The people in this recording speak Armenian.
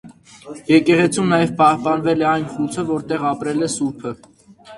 Եկեղեցում նաև պահպանվել է այն խուցը, որտեղ ապրել է սուրբը։